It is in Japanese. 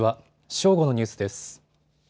正午のニュースです。